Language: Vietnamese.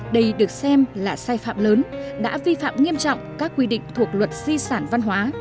đây được xem là sai phạm lớn đã vi phạm nghiêm trọng các quy định thuộc luật di sản văn hóa